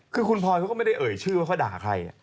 คือคุณพลอยเขาก็ไม่ได้เอ่ยชื่อว่าเขาด่าใคร